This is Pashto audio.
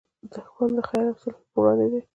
دښمن د خیر او صلحې پر وړاندې دی